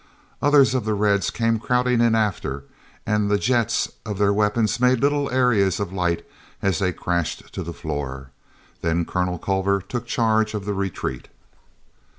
Others of the Reds came crowding in after, and the jets of their weapons made little areas of light as they crashed to the floor. Then Colonel Culver took charge of the retreat.